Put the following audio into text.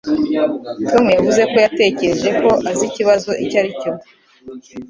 Tom yavuze ko yatekereje ko azi ikibazo icyo ari cyo.